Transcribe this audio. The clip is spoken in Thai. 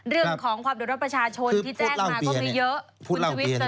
เรื่องของความโดดรับประชาชนที่แจ้งมาก็มีเยอะ